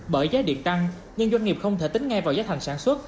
bởi giá điện tăng nhưng doanh nghiệp không thể tính ngay vào giá thành sản xuất